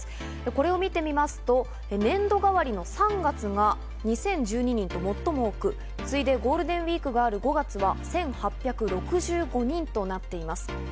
これを見てみますと、年度替わりの３月が２０１２人と最も多く、次いでゴールデンウイークがある５月は１８６５人となっています。